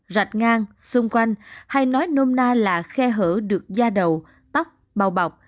rạch ngang xung quanh hay nói nôm na là khe hở được da đầu tóc bao bọc